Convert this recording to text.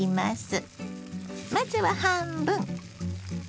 まずは半分。